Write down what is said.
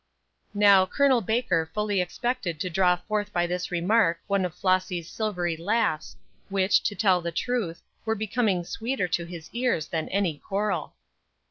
Now, Col. Baker fully expected to draw forth by this remark one of Flossy's silvery laughs, which, to tell the truth, were becoming sweeter to his ears than any choral.